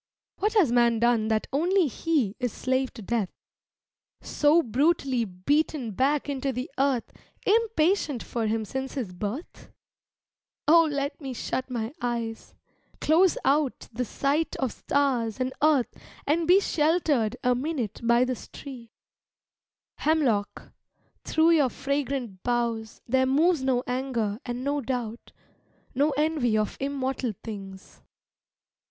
What has man done that only he Is slave to death so brutally Beaten back into the earth Impatient for him since his birth? Oh let me shut my eyes, close out The sight of stars and earth and be Sheltered a minute by this tree. Hemlock, through your fragrant boughs There moves no anger and no doubt, No envy of immortal things.